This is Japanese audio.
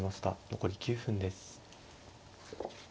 残り９分です。